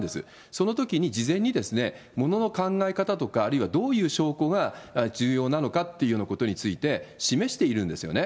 そのときに事前にものの考え方とか、あるいはどういう証拠が重要なのかっていうようなことについて示しているんですよね。